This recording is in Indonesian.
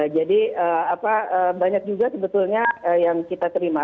jadi banyak juga sebetulnya yang kita terima